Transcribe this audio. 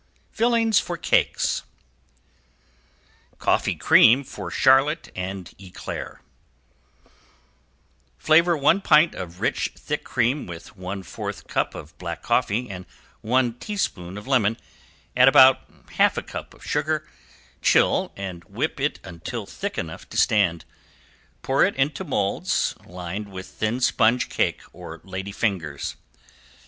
FILLING FOR CAKES ~COFFEE CREAM FOR CHARLOTTE AND ECLAIR~ Flavor one pint of rich thick cream with one fourth cup of black coffee and one teaspoon of lemon, add about a half a cup of sugar, chill and whip it until thick enough to stand. Pour it into molds lined with thin sponge cake or lady fingers.